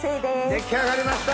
出来上がりました！